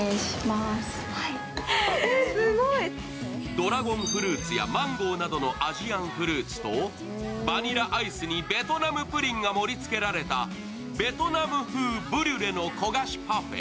ドラゴンフルーツやマンゴーなどのアジアンフルーツと、バニラアイスにベトナムプリンが盛りつけられたベトナム風ブリュレの焦がしパフェ。